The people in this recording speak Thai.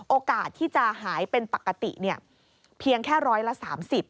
โอกาสที่จะหายเป็นปกติเนี่ยเพียงแค่ร้อยละ๓๐